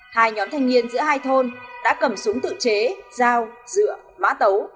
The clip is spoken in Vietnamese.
hai nhóm thanh niên giữa hai thôn đã cầm súng tự chế dao rửa má tấu